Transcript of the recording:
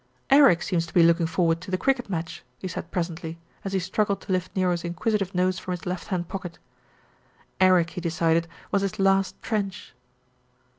"Eric seems to be looking forward to the cricket match," he said presently, as he struggled to lift Nero's inquisitive nose from his left hand pocket. Eric, he decided, was his last trench.